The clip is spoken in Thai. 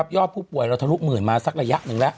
อดผู้ป่วยเราทะลุหมื่นมาสักระยะหนึ่งแล้ว